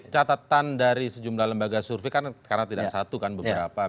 catatan dari sejumlah lembaga survei kan karena tidak satu kan beberapa